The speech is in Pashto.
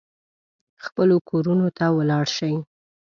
خپلو کورونو ته ولاړ شي.